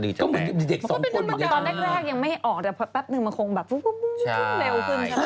เหมือนเด็ก๒คนเหมือนเด็ก๓พอเป็นประกอบตอนแรกยังไม่ออกแต่แป๊บนึงมันคงแบบบุ๊บบุ๊บเร็วขึ้น